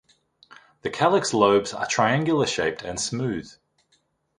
The calyx lobes are triangular shaped and smooth.